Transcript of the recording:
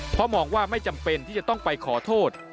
เพราะมองว่าไม่จำเป็นที่จะต้องไปขอโทษ